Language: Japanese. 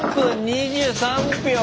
３分２３秒。